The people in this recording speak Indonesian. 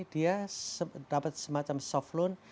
dia dapat semacam softloan